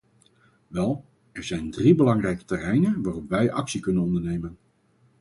Wel, er zijn drie belangrijke terreinen waarop wij actie kunnen ondernemen.